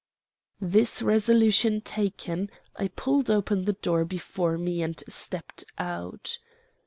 "This resolution taken, I pulled open the door before me and stepped out.